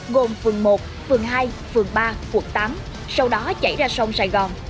gồm phường một phường hai phường ba quận tám sau đó chảy ra sông sài gòn